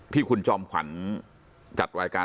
ที่คุณจอมขวัญจัดรายการ